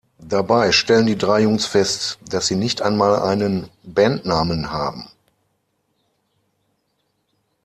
Dabei stellen die drei Jungs fest, dass sie nicht einmal einen Bandnamen haben.